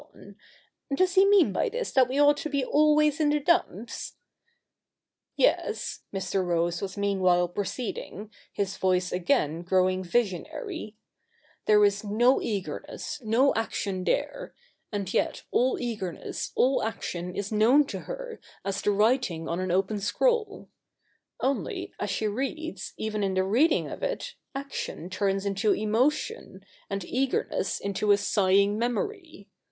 And does he mean by this that we ought to be ahvays in the dumps ?'' Yes,' Mr. Rose was meanwhile proceeding, his voice again growing visionary, ' there is no eagerness, no action there ; and yet all eagerness, all action is known to her as the writing on an open scroll ; only, as she reads, even in the reading of it, action turns into emotion, and eagerness into a sighing memory.